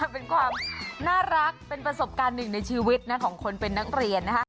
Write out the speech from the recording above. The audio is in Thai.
เป็นความน่ารักเป็นประสบการณ์หนึ่งในชีวิตของคนเป็นนักเรียนนะคะ